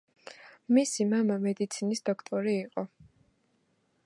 მისი მამა მედიცინის დოქტორი იყო.